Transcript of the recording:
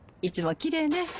いつもきれいね。